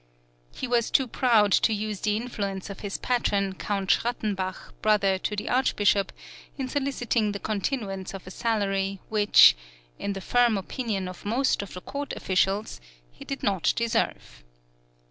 He was too proud to use the influence of his patron, Count Schrattenbach, brother to the Archbishop, in soliciting the continuance of a salary which, "in the firm opinion of most of the court officials," he did not deserve.